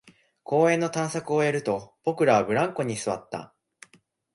公園の探索を終えると、僕らはブランコに座った